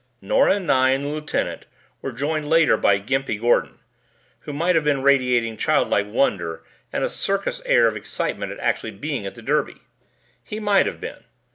Nora and I and the lieutenant were joined later by Gimpy Gordon, who might have been radiating childlike wonder and a circus air of excitement at actually being at the Derby. He might have been.